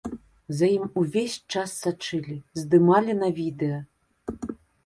За ім увесь час сачылі, здымалі на відэа.